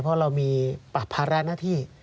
เพราะเรามีปรับภาระหน้าที่